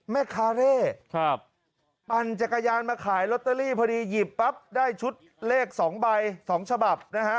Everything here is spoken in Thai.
แม่ค้าเร่ปั่นจักรยานมาขายลอตเตอรี่พอดีหยิบปั๊บได้ชุดเลข๒ใบ๒ฉบับนะฮะ